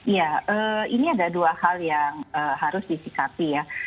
ya ini ada dua hal yang harus disikapi ya